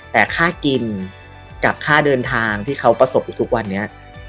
แต่ค่ากินกับค่าเดินทางที่เขาประสบอยู่ทุกวันนี้